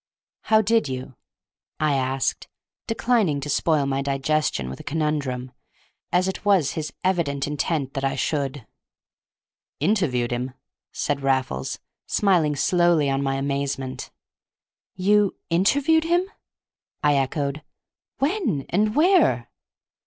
"How did you?" I asked, declining to spoil my digestion with a conundrum, as it was his evident intention that I should. "Interviewed him!" said Raffles, smiling slowly on my amazement. "You—interviewed him?" I echoed. "When—and where?"